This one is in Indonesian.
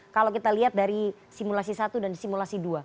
kalau kita lihat dari simulasi satu dan simulasi dua